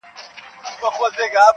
• د وطن را باندي پروت یو لوی احسان دی,